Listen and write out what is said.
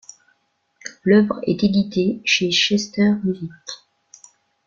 L'œuvre est éditée chez Chester Music.